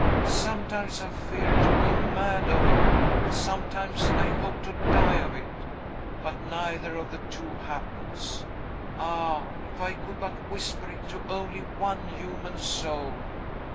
Sometimes I fear to go mad of it; sometimes I hope to die of it; but neither of the two happens. Ah, if I could but whisper it to only one human soul!